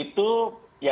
itu ya biasanya tidak